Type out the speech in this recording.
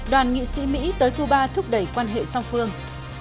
đoàn nghị sĩ mỹ tới cuba thúc đẩy quan hệ song phương